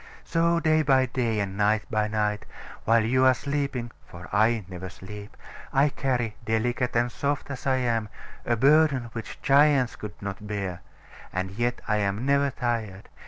So day by day, and night by night, while you are sleeping (for I never sleep), I carry, delicate and soft as I am, a burden which giants could not bear: and yet I am never tired.